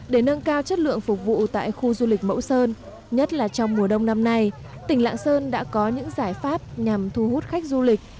để nâng cao chất lượng phục vụ tại khu du lịch mẫu sơn nhất là trong mùa đông năm nay tỉnh lạng sơn đã có những giải pháp nhằm thu hút khách du lịch